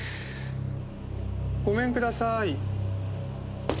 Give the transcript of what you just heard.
ごめんくださーい。